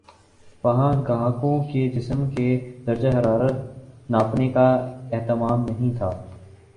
وہاں گاہکوں کے جسم کے درجہ حرارت ناپنے کا اہتمام نہیں تھا